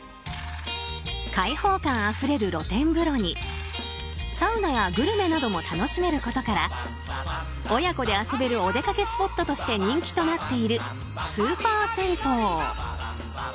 開放感あふれる露天風呂にサウナやグルメなども楽しめることから親子で遊べるお出かけスポットとして人気となっているスーパー銭湯。